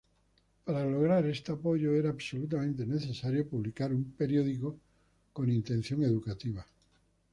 Para lograr este apoyo, era absolutamente necesario publicar un periódico con intención educativa.